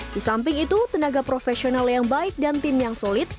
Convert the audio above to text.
di samping itu tenaga profesional yang baik dan tim yang solid